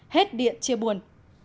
hết điện chia buồn